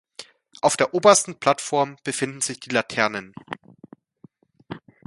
Auf der obersten Plattform befinden sich die Laternen.